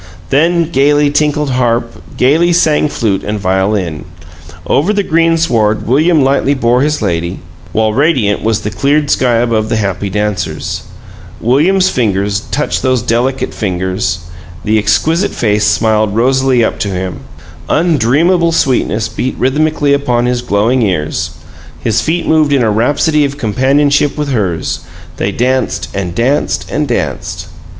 Then gaily tinkled harp, gaily sang flute and violin! Over the greensward William lightly bore his lady, while radiant was the cleared sky above the happy dancers. William's fingers touched those delicate fingers; the exquisite face smiled rosily up to him; undreamable sweetness beat rhythmically upon his glowing ears; his feet moved in a rhapsody of companionship with hers. They danced and danced and danced!